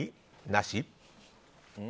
なし？